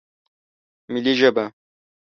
ملي ژبه